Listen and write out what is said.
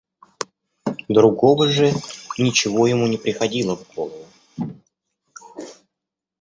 Другого же ничего ему не приходило в голову.